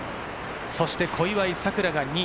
そして小祝さくらが２位。